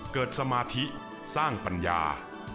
เกิดสมาธิสร้างปัญญา